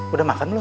udah makan belum